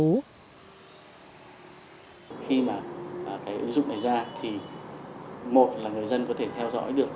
ứ dụng này ra thì một là người dân có thể theo dõi được